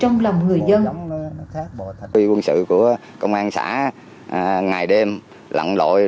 những việc làm